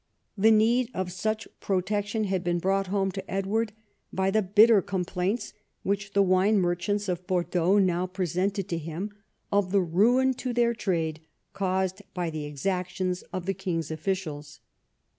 The need of such protection had been brought home to Edward by the bitter complaints which the wine merchants of Bordeaux now presented to him of the ruin to their trade caused by the exactions of the king's officials.